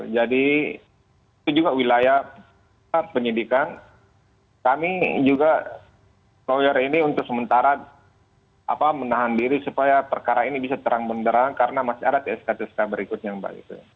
jadi itu juga wilayah penyidikan kami juga lawyer ini untuk sementara menahan diri supaya perkara ini bisa terang menerang karena masih ada sk sk berikutnya mbak gitu